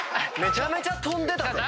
めちゃめちゃ跳んでた。